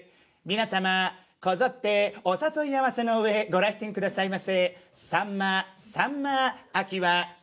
「皆様こぞってお誘い合わせの上ご来店くださいませ」